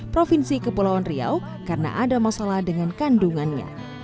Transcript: provinsi kepulauan riau karena ada masalah dengan kandungannya